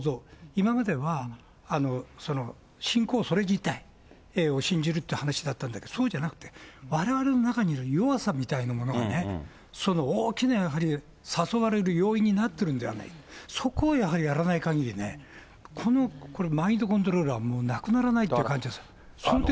今までは、信仰それ自体を信じるという話だったんだけど、そうじゃなくて、われわれの中にいる弱さみたいなものをね、その大きな、やはり誘われる要因になってるんではないか、そこをやはりやらないかぎりね、これ、マインドコントロールは、もうなくならないっていう感じなんですね。